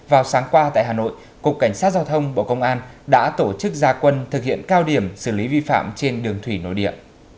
vào sáng qua tại hà nội cục cảnh sát giao thông bộ công an đã tổ chức gia quân thực hiện cao điểm xử lý vi phạm trên đường thủy nội địa